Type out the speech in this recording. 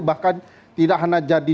bahkan tidak hanya jadi